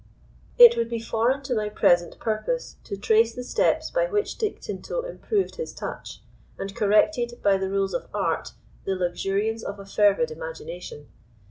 It would be foreign to my present purpose to trace the steps by which Dick Tinto improved his touch, and corrected, by the rules of art, the luxuriance of a fervid imagination.